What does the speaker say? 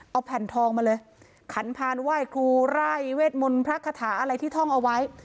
เอาแผ่นทองมาเลยขันพานไหว้ครูไร่เวทมนต์พระคาถาอะไรที่ท่องเอาไว้